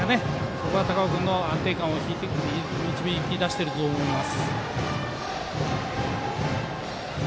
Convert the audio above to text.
そこが高尾君の安定感を導き出していると思います。